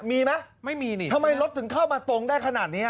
มีไหมไม่มีนี่ทำไมรถถึงเข้ามาตรงได้ขนาดนี้